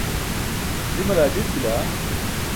Jimale adit bila.